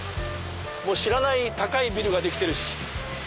知らない高いビルができてるし。